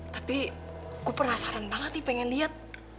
tapi aku penasaran banget nih pengen lihat